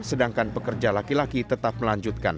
sedangkan pekerja laki laki tetap melanjutkan